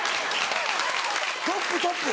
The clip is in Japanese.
トップトップ！